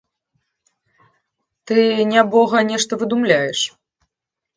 Ты, нябога, нешта выдумляеш.